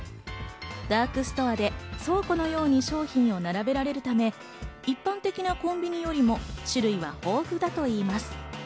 ダークストアで倉庫のように商品を並べられるため、一般的なコンビニよりも種類は豊富だといいます。